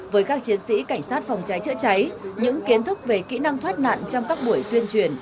với các chiến sĩ cảnh sát phòng cháy chữa cháy những kiến thức về kỹ năng thoát nạn trong các buổi tuyên truyền